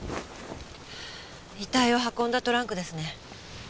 遺体を運んだトランクですね。